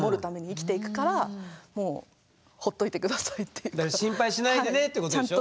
それで私は心配しないでねってことでしょ？